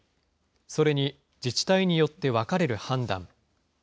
それに自治体によって分かれる判断。